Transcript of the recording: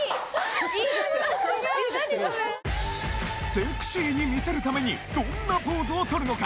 セクシーに見せるためにどんなポーズを取るのか！